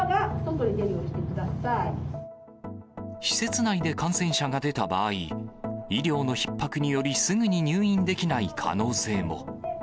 施設内で感染者が出た場合、医療のひっ迫によりすぐに入院できない可能性も。